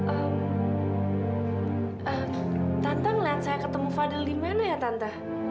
eh eh tante ngelihat saya ketemu fadil di mana ya tante